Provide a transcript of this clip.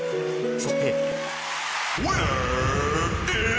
そして。